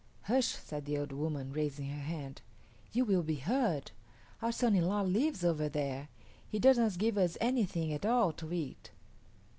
"Hush," said the old woman, raising her hand, "you will be heard. Our son in law lives over there. He does not give us anything at all to eat."